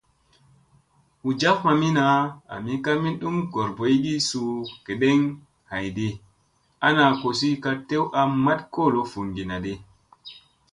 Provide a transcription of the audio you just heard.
Hu jaf mamina, ami ka min ɗum goorboygi suu gedeŋ haydi ana kosi ka tew a maɗ kolo vunginadi.